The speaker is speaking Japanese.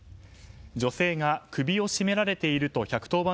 女性が、首を絞められていると１１０番